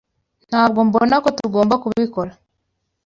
Ntabwo mbona ko tugomba kubikora.